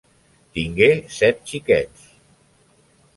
Tingué set xiquets.